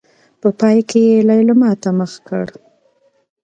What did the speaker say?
په پای کې يې ليلما ته مخ کړ.